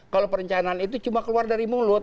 kalau perencanaan itu cuma keluar dari mulut